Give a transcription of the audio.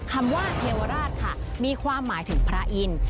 คำว่าเทวราชค่ะมีความหมายถึงพระอินทร์